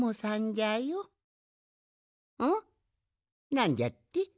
なんじゃって？